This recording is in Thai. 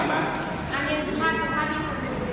ไม่งั้นครับละแหม